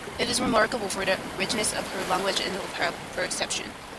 It is remarkable for the richness of her language and for her perception.